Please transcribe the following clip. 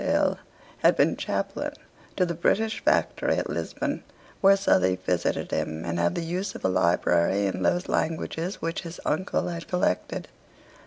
Hill had been Chaplain to the British Factory at Lisbon, where Southey visited him and had the use of a library in those languages which his uncle had collected.